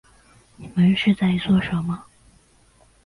你们是在做什么